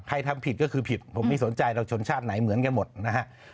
ทำผิดก็คือผิดผมไม่สนใจเราชนชาติไหนเหมือนกันหมดนะฮะ